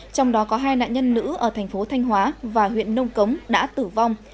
trong đó có hai nạn nhân nữ ở thành phố thanh hóa và huyện nông cống đã tử vong